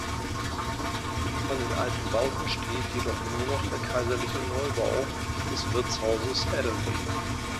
Von den alten Bauten steht jedoch nur noch der kaiserzeitliche Neubau des Wirtshauses Adelby.